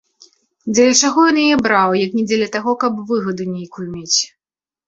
Дзеля чаго ён яе браў, як не дзеля таго, каб выгаду нейкую мець.